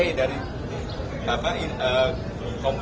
jadi secara administrasi diterima